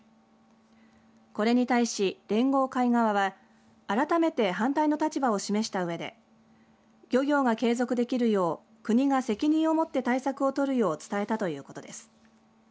これに対し連合会側は改めて反対の立場を示したうえで漁業が継続できるよう国が責任を持って対策を取るよう伝えたということです。